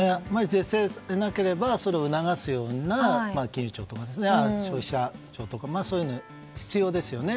是正されなければそれを促すような金融庁とか消費者庁とかそういうのが必要ですよね。